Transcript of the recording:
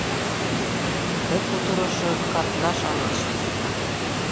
Ты кутырышо картна-шамыч